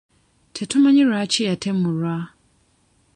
Tetumanyi lwaki yatemulwa.